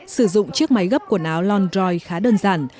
sử dụng chiếc máy gấp quần áo l androi khá đơn giản